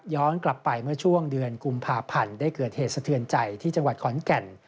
กลับไปเมื่อช่วงเดือนกุมภาพันธ์ได้เกิดเหตุสะเทือนใจที่จังหวัดขอนแก่น